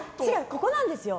ここなんですよ。